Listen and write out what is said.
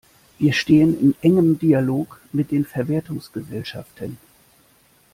Wir stehen in engem Dialog mit den Verwertungsgesellschaften.